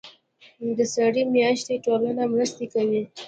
د سرې میاشتې ټولنه مرستې کوي